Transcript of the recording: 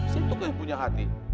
situ tuh yang punya hati